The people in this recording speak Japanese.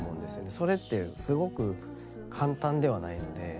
それってすごく簡単ではないので。